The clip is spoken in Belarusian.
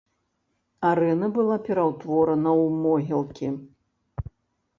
Арэна была пераўтворана ў могілкі.